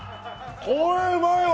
これうまいわ。